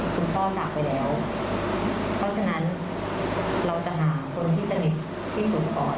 คุณพ่อจัดไปแล้วเราจะหาผู้ชมที่สนิทที่สุดก่อน